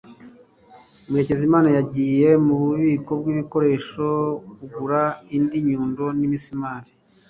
Murekezimana yagiye mububiko bwibikoresho kugura indi nyundo n imisumari